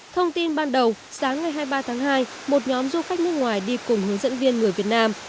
thông tin ban đầu sáng ngày hai mươi ba tháng hai một nhóm du khách nước ngoài đi cùng hướng dẫn viên người việt nam